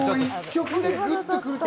１曲でグッとくる。